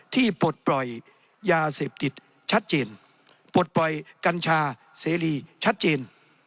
ปลดปล่อยยาเสพติดชัดเจนปลดปล่อยกัญชาเสรีชัดเจน